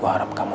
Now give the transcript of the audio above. terima kasih pak